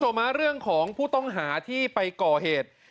ตัวมาเรื่องของผู้ต้องหาที่ไปก่อเหตุ